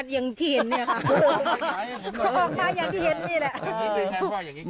ค่ะค่ะอย่างที่เห็นนี่แหละ